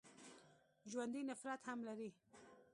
ژوندي نفرت هم لري